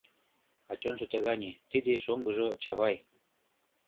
А чонжо тыгане: тиде шоҥгыжо — Чавай.